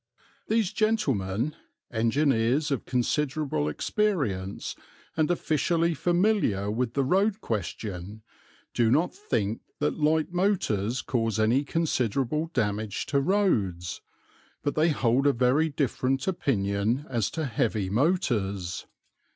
These gentlemen, engineers of considerable experience and officially familiar with the road question, do not think that light motors cause any considerable damage to roads, but they hold a very different opinion as to heavy motors.